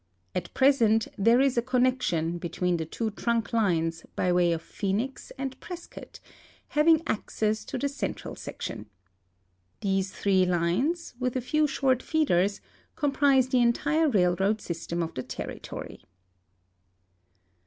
At present there is a connection between the two trunk lines by way of Phoenix and Prescott, giving access to the central THE FORESTS AND DESERTS OF ARIZONA 2i)7 section. These three lines, with a few short feeders, comprise the entire raih'oad system of the territory.